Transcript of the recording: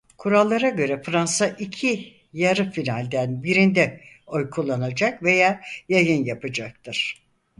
Kurallara göre Fransa iki yarı finalden birinde oy kullanacak veya yayın yapacaktır.